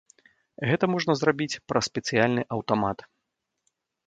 Гэта можна зрабіць праз спецыяльны аўтамат.